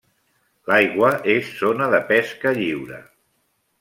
L'aigua és zona de pesca lliure.